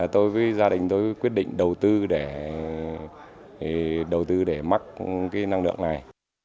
tôi với gia đình tôi quyết định đầu tư để mắc năng lượng này